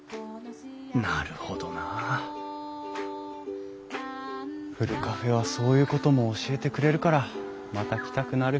なるほどなあふるカフェはそういうことも教えてくれるからまた来たくなる。